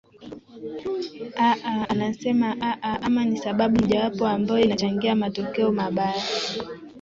aa anasema aa ama ni sababu moja wapo ambayo inachangia matokeo mabaya